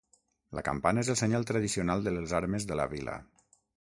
La campana és el senyal tradicional de les armes de la vila.